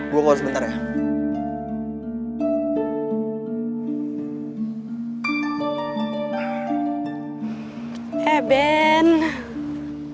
gue ngomong sebentar ya